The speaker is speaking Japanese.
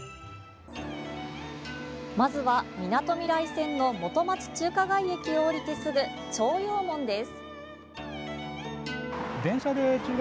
まずは、みなとみらい線の元町・中華街駅を降りてすぐ朝陽門です。